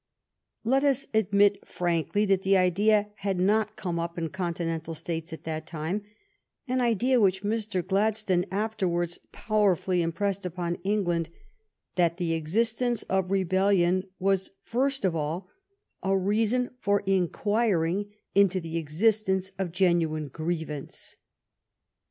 Let us admit frankly that the idea had not come up in Continental States at that time — an idea which Mr. Glad stone afterwards powerfully impressed upon Eng land — that the existence of rebellion was first of all a reason for inquiring into the existence of genuine grievance.